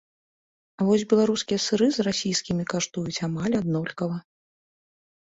А вось беларускія сыры з расійскімі каштуюць амаль аднолькава.